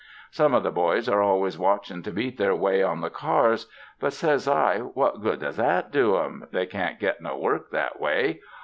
Some of the boys are always watching to beat their way on the cars ; but, says I, what good does that do 'em? They can't get no work that way.